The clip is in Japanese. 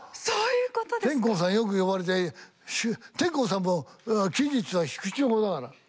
天功さんよく呼ばれて天功さんも奇術は縮地法だから。